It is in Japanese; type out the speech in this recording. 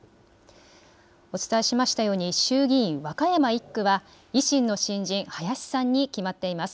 お伝えしましたように衆議院和歌山１区は維新の新人、林さんに決まっています。